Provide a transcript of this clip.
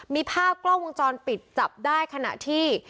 มีภาพกล้องวงจรปิดจับได้ขณะที่